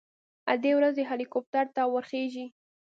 ادې ورځي هليكاپټر ته ورخېژي.